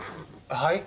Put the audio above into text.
はい？